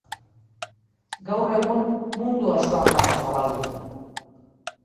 Gaur egun, mundu osoan dago zabalduta.